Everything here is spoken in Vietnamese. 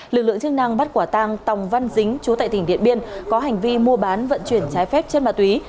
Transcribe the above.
lực lượng chức năng bắt quả tang tòng văn dính chú tại tỉnh điện biên có hành vi mua bán vận chuyển trái phép chất ma túy